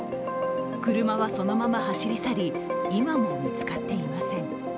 車はそのまま走り去り、今も見つかっていません。